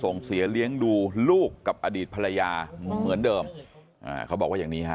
หนูเกลียดที่สุดโกหกหนูเกลียดที่สุดเลย